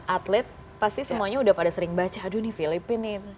atlet pasti semuanya udah pada sering baca aduh nih filipina nih